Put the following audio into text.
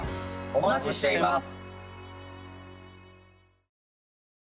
お待ちしています！